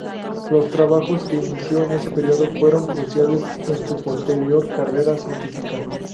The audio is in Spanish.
Los trabajos que inició en ese período fueron cruciales en su posterior carrera científica.